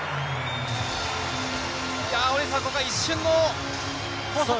ここは一瞬の。